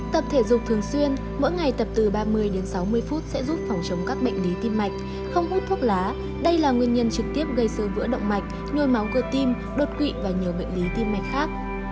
tập thể dục thường xuyên mỗi ngày tập từ ba mươi đến sáu mươi phút sẽ giúp phòng chống các bệnh lý tim mạch không hút thuốc lá đây là nguyên nhân trực tiếp gây sự vỡ động mạch nhồi máu cơ tim đột quỵ và nhiều bệnh lý tim mạch khác